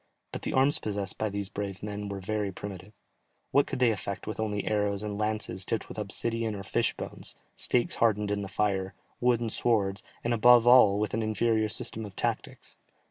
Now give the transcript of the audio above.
But the arms possessed by these brave men were very primitive. What could they effect with only arrows and lances tipped with obsidian or fish bones, stakes hardened in the fire, wooden swords, and above all with an inferior system of tactics?